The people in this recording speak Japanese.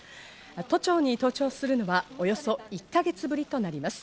都庁に登庁するのはおよそ１か月ぶりとなります。